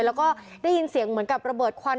แล้วก็ได้ยินเสียงเหมือนกับระเบิดควัน